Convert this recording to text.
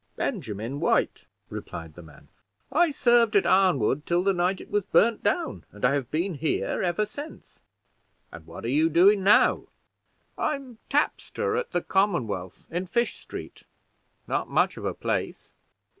"Benjamin White," replied the man; "I served at Arnwood till the night it was burned down; and I have been here ever since." "And what are you doing now?" "I'm tapster at the 'Commonwealth,' in Fish street not much of a place."